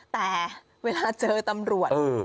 แต่เวลาเจอตำรวจ